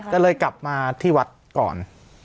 ก็เลยกลับมาที่วัดก่อน